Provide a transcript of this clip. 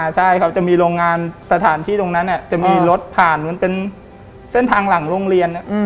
ใช่ครับจะมีโรงงานสถานที่ตรงนั้นจะมีรถผ่านเหมือนเป็นเส้นทางหลังโรงเรียน